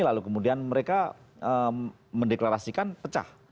lalu kemudian mereka mendeklarasikan pecah